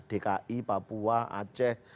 dki papua aceh